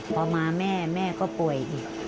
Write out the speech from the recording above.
พอมาแม่แม่ก็ป่วยอีก